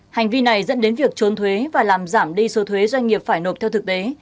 hành vi này dẫn đến việc trốn thuế và làm giảm đi số thuế doanh nghiệp phải nộp theo thực tế